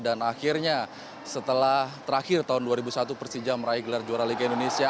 dan akhirnya setelah terakhir tahun dua ribu satu persija meraih gelar juara liga indonesia